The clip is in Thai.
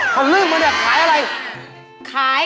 จะออกแล้ว